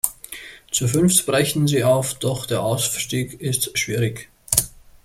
Zu fünft brechen sie auf, doch der Aufstieg ist schwierig.